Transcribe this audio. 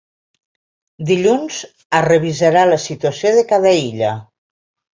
Dilluns es revisarà la situació de cada illa.